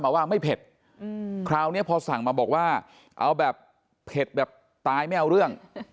มาว่าไม่เผ็ดคราวนี้พอสั่งมาบอกว่าเอาแบบเผ็ดแบบตายไม่เอาเรื่อง